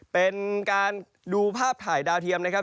เป็นการดูภาพถ่ายดาวเทียมนะครับ